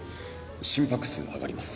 心拍数上がります。